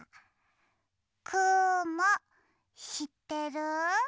くもしってる？